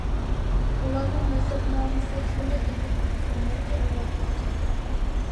ئۇلارنىڭ نەسەبنامىسى خېلى ئېنىق تۇرسا نەچچە ئەۋلادقىچە.